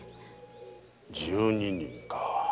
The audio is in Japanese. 十二人か。